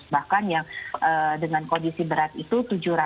bahkan yang dengan kondisi berat itu tujuh ratus tiga puluh tujuh